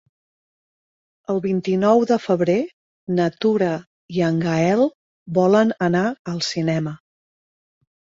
El vint-i-nou de febrer na Tura i en Gaël volen anar al cinema.